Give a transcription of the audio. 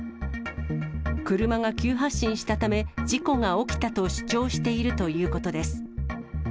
車が急発進したため、事故が起きたと主張しているということです。